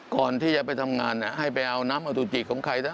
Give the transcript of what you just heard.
ก่อนที่จะไปทำงานให้ไปเอาน้ำอสุจิของใคร